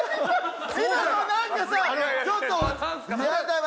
今の何かさちょっとやだわ。